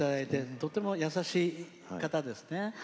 とても優しい方ですね。